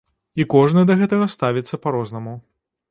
І кожны да гэтага ставіцца па-рознаму.